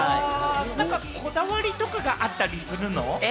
こだわりとかあったりするの？